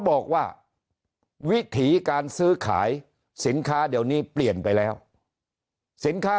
บอกว่าวิถีการซื้อขายสินค้าเดี๋ยวนี้เปลี่ยนไปแล้วสินค้า